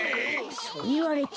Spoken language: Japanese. そういわれても。